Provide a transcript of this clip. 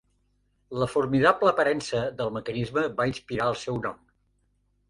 La formidable aparença del mecanisme va inspirar el seu nom.